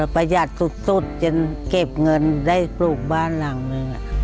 ประหยัดสุดจนเก็บเงินได้ปลูกบ้านหลังนึง